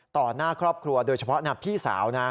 หน้าครอบครัวโดยเฉพาะพี่สาวนะ